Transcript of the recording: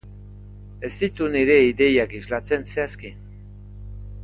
Ez ditu nire ideiak islatzen zehazki.